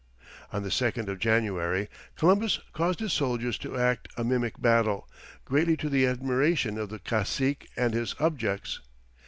On the 2nd of January Columbus caused his soldiers to act a mimic battle, greatly to the admiration of the cacique and his subjects.